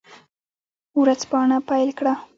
ورځپاڼه پیل کړه.